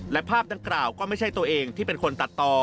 และภาพดังกล่าวก็ไม่ใช่ตัวเองที่เป็นคนตัดต่อ